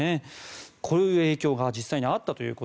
こういう影響が実際にあったと。